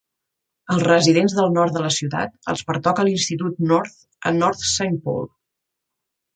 Als residents del nord de la ciutat els pertoca l'institut North a North Saint Paul.